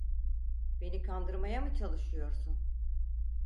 Beni kandırmaya mı çalışıyorsun?